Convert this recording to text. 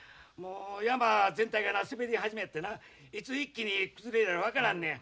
山全体がな滑り始めやってないつ一気に崩れるやら分からんのや。